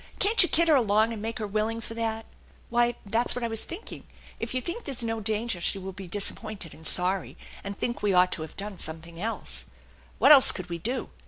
Can't you kid her along and make her willing for that?" " Why, that was what I was thinking. If you think there's 64 THE ENCHANTED BARN no danger she will be disappointed and sorry, and think we ought to have done something else." " What else could we do